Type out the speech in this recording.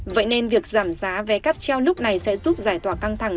vậy nên việc giảm giá vé cáp treo lúc này sẽ giúp giải tỏa căng thẳng